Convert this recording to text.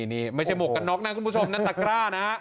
นี่ไม่ใช่หมวกกันน็อกนะคุณผู้ชมนั่นตะกร้านะฮะ